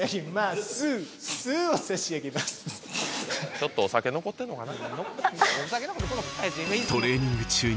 ちょっとお酒残ってんのかな。